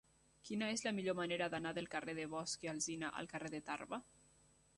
Quina és la millor manera d'anar del carrer de Bosch i Alsina al carrer de Tarba?